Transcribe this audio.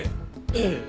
ええ。